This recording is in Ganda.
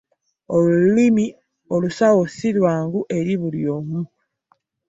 Olulimi olusawo si lwangu eri buli omu.